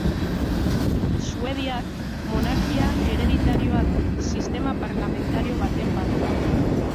Suediak monarkia hereditarioa du, sistema parlamentario baten barruan.